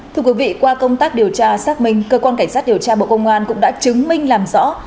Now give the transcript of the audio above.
thưa quý vị qua công tác điều tra xác minh cơ quan cảnh sát điều tra bộ công an cũng đã chứng minh làm rõ